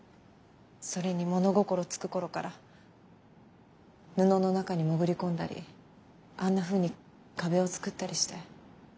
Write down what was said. それに物心つく頃から布の中に潜り込んだりあんなふうに壁を作ったりして。